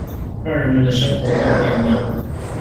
讓人們的生活更便利